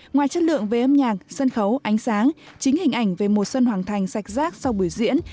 ngoài chất lượng về âm nhạc sân khấu ánh sáng chính hình ảnh về mùa xuân hoàng thành sạch rác sau buổi diễn